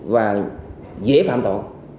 và dễ phạm thọ